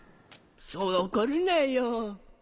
そう怒るなよ。